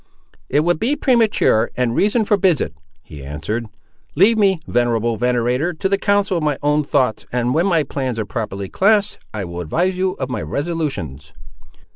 "It would be premature, and reason forbids it," he answered. "Leave me, venerable venator, to the council of my own thoughts, and when my plans are properly classed, I will advise you of my resolutions."